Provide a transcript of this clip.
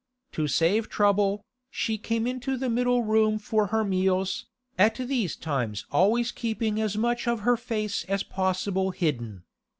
To save trouble, she came into the middle room for her meals, at these times always keeping as much of her face as possible hidden.